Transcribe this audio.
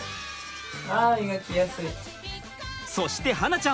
そして巴梛ちゃん。